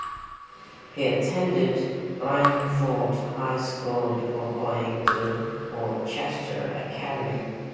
He attended Branford High School before going to Worcester Academy.